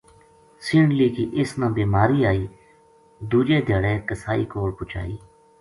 سینڈلی کی اس نا بیماری آئی دُوجے دھیاڑے قصائی کول پوہچائی